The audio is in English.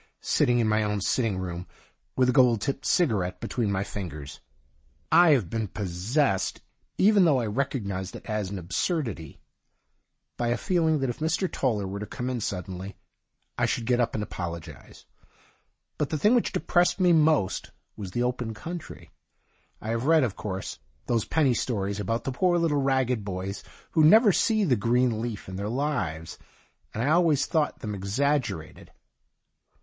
Sitting in my own sitting room, with a gold tipped cigarette between my fingers, I have been possessed (even 13 THE DIARY OF A GOD though I recognised it as an ab surdity) by a feeUng that if Mr. Toller were to come in suddenly I should get up and apologize. But the thing which depressed me most was the open country. I have read, of coursCj those penny stories about the poor little ragged boys who never see the green leaf in their lives, and I always thought them exaggerated.